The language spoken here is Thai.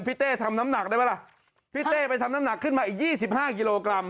เต้ทำน้ำหนักได้ไหมล่ะพี่เต้ไปทำน้ำหนักขึ้นมาอีก๒๕กิโลกรัม